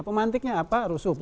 pemantiknya apa rusuk